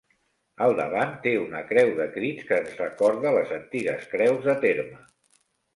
Al davant té una creu de crits que ens recorda les antigues creus de terme.